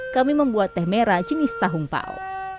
kami membuat teh merah jenis tahung pao